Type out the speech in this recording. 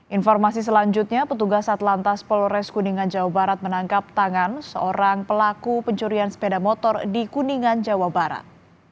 informasi selanjutnya petugas atlantas polres kuningan jawa barat menangkap tangan seorang pelaku pencurian sepeda motor di kuningan jawa barat